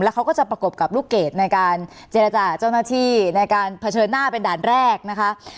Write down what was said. เขาก็จะประกบกับลูกเกดในการเจรจาเจ้าหน้าที่ในการเผชิญหน้าเป็นด่านแรกนะคะ